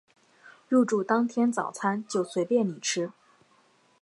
入住当天早餐就随便你吃